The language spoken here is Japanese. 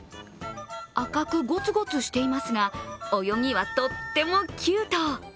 赤くゴツゴツしていますが泳ぎはとってキュート。